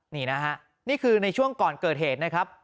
นี่นะฮะนี่คือในช่วงก่อนเกิดเหตุนะครับ